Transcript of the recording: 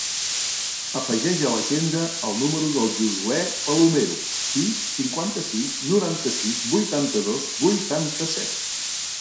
Afegeix a l'agenda el número del Josuè Palomero: sis, cinquanta-sis, noranta-sis, vuitanta-dos, vuitanta-set.